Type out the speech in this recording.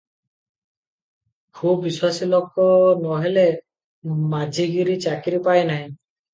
ଖୁବ୍ ବିଶ୍ୱାସୀ ଲୋକ ନ ହେଲେ ମାଝିଗିରି ଚାକିରି ପାଏ ନାହିଁ ।